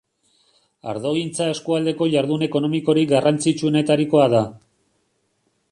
Ardogintza eskualdeko jardun ekonomikorik garrantzitsuenetarikoa da.